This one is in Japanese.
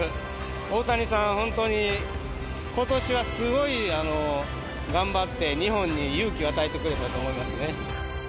大谷さん、本当にことしはすごい頑張って、日本に勇気を与えてくれたと思いますね。